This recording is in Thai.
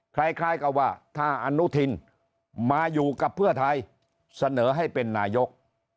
คล้ายกับว่าถ้าอนุทินมาอยู่กับเพื่อไทยเสนอให้เป็นนายก